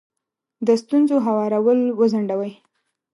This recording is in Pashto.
د ستونزو هوارول وځنډوئ.